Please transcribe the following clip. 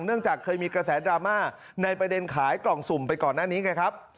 เนื่องจากเคยมีกระแสดราม่าในประเด็นขายกล่องสุ่มไปก่อนหน้านี้ไงครับ